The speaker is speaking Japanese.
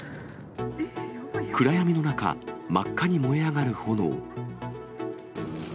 暗闇の中、真っ赤に燃え上がる炎。